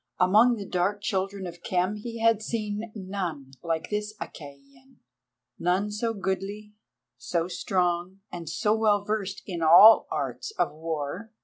Among the dark children of Khem he had seen none like this Achæan, none so goodly, so strong, and so well versed in all arts of war.